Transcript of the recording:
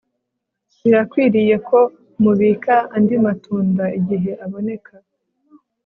birakwiriye ko mubika andi matunda igihe aboneka